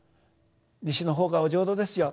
西の方がお浄土ですよ。